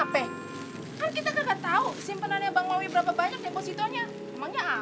kan kita gak tau simpenannya bang mawi berapa banyak depositonya